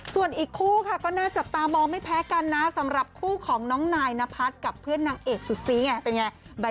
ส่วนอีกคู่ค่ะก็น่าจับตามองไม่แพ้กันนะสำหรับคู่ของน้องนายนพัฒน์กับเพื่อนนางเอกสุดซีไงเป็นไง